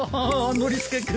ノリスケ君